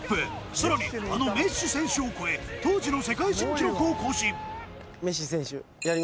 更にあのメッシ選手を超え当時の世界新記録を更新